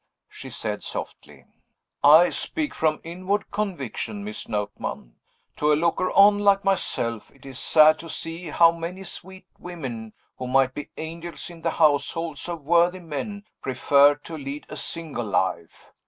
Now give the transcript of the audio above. she said softly. "I speak from inward conviction, Miss Notman. To a looker on, like myself, it is sad to see how many sweet women who might be angels in the households of worthy men prefer to lead a single life.